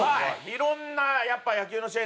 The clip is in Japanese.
いろんなやっぱ野球の試合